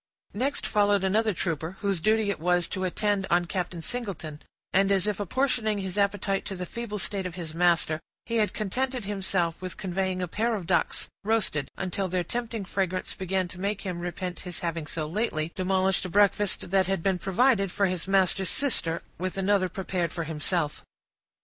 Next followed another trooper, whose duty it was to attend on Captain Singleton; and, as if apportioning his appetite to the feeble state of his master, he had contented himself with conveying a pair of ducks, roasted, until their tempting fragrance began to make him repent his having so lately demolished a breakfast that had been provided for his master's sister, with another prepared for himself.